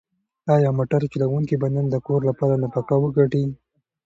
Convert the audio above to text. ایا موټر چلونکی به نن د کور لپاره نفقه وګټي؟